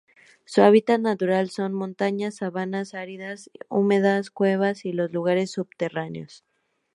Su hábitat natural son: montañas, sabanas áridas y húmedas, cuevas, y los lugares subterráneos.